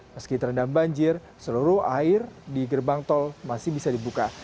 meski terendam banjir seluruh air di gerbang tol masih bisa dibuka